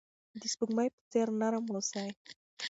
د سپوږمۍ په څیر نرم اوسئ.